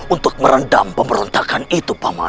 untuk merendam pemberontakan itu paman